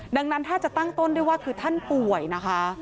ดังนั้นถ้าจะตั้งต้นได้ว่าคือท่านป่วยนะคะ